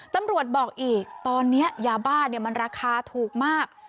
ตำรวจบอกอีกตอนนี้ยาบ้ามันราคาถูกมาก